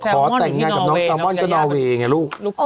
ขอแต่งงานกับหน้าซาลมอนก็ลูกดูจุงนอเว